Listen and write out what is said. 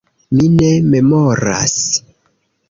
Mi ne memoras.